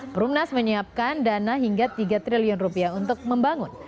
perumnas menyiapkan dana hingga tiga triliun rupiah untuk membangun